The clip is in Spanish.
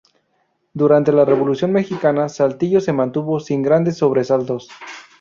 Durante la Revolución mexicana, Saltillo se mantuvo sin grandes sobresaltos.